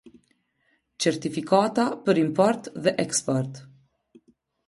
Certifikata për import dhe eksport.